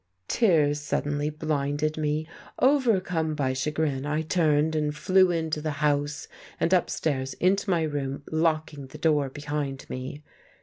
Tears suddenly blinded me. Overcome by chagrin, I turned and flew into the house and upstairs into my room, locking the door behind me.